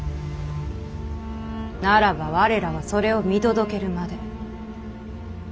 ならば我らはそれを見届けるまで。